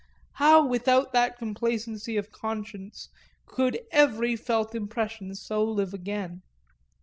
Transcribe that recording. How without that complacency of conscience could every felt impression so live again?